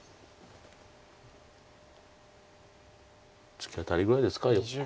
ツキアタリぐらいですか。